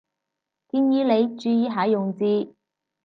建議你注意下用字